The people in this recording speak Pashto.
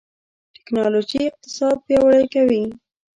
ټکنالوژي اقتصاد پیاوړی کوي.